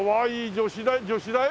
女子大女子大？